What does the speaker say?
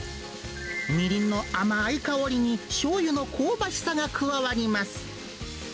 みりんの甘い香りに、しょうゆの香ばしさが加わります。